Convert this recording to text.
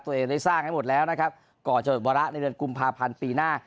ตัวเองได้สร้างให้หมดแล้วนะครับก่อนจะหมดวาระในเดือนกุมภาพันธ์ปีหน้า